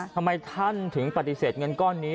ทำไมท่านถึงปฏิเสธเงินก้อนนี้